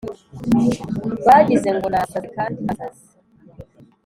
Bagize ngo nasaze kandi ntasaze